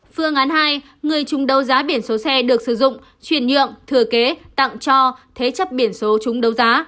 phương án hai người chung đấu giá biển số xe được sử dụng chuyển nhượng thừa kế tặng cho thế chấp biển số chúng đấu giá